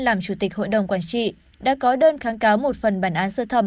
làm chủ tịch hội đồng quản trị đã có đơn kháng cáo một phần bản án sơ thẩm